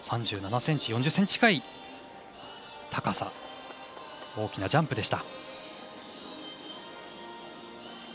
３７ｃｍ、４０ｃｍ近い高さ、大きなジャンプでした。